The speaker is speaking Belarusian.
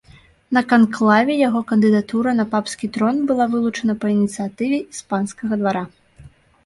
На канклаве яго кандыдатура на папскі трон была вылучана па ініцыятыве іспанскага двара.